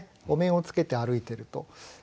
お面をつけて歩いていると。